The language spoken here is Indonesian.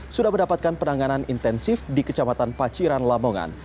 sudah mendapatkan penanganan intensif di kecamatan paciran lamongan